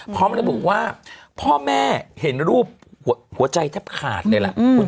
เพราะมันบอกว่าพ่อแม่เห็นรูปหัวใจทับขาดเลยล่ะอืม